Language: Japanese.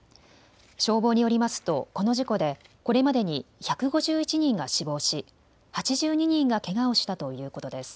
消防によりますとこの事故でこれまでに１５１人が死亡し８２人がけがをしたということです。